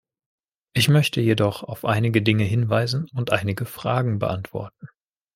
Ich möchte jedoch auf einige Dinge hinweisen und einige Fragen beantworten.